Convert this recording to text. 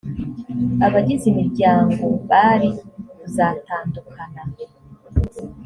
abagize imiryango bari kuzatandukana